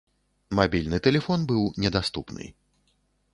Мабільны тэлефон быў недаступны.